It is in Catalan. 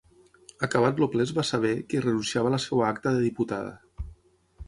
Acabat el ple es va saber que renunciava a la seva acta de diputada.